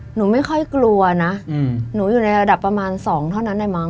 หนูไม่ค่อยกลัวนะหนูอยู่ในระดับประมาณ๒เท่านั้นได้มั้